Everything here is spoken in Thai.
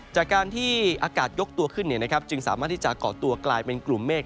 จากการที่อากาศยกตัวขึ้นจึงสามารถที่จะเกาะตัวกลายเป็นกลุ่มเมฆ